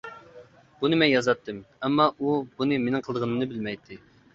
بۇنى مەن يازاتتىم، ئەمما ئۇ بۇنى مېنىڭ قىلىدىغىنىمنى بىلمەيتتى.